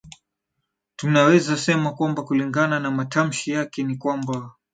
tunaweza sema kwamba kulingana na matamshi yake ni kwamba